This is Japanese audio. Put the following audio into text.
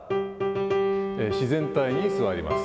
自然体に座ります。